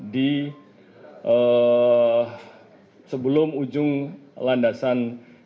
di sebelum ujung landasan tiga puluh tiga